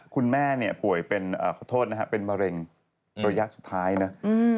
คุณแม่เนี่ยป่วยเป็นขอโทษนะเป็นมะเร็งรอยยักษ์สุดท้ายเนี่ย